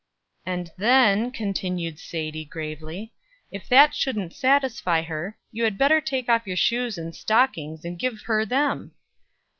"And then," continued Sadie, gravely, "if that shouldn't satisfy her, you had better take off your shoes and stockings, and give her them."